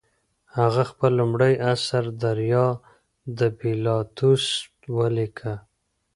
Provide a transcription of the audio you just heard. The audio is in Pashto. هغه خپل لومړی اثر دریا د پیلاتوس ولیکه.